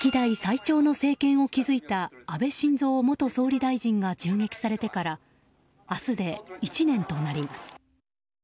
歴代最長の政権を築いた安倍晋三元総理大臣が銃撃されてから明日で１年となります。